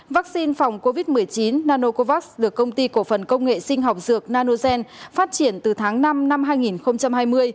vaccine phòng covid một mươi chín nanocovax được công ty cổ phần công nghệ sinh học dược nanogen phát triển từ tháng năm năm hai nghìn hai mươi